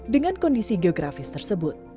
dengan kondisi geografis tersebut